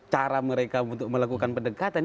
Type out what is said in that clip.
cara mereka untuk melakukan pendekatan